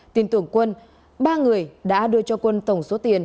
tin tưởng quân ba người đã đưa cho quân tổng số tài sản